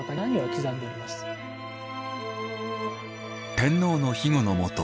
天皇のひごのもと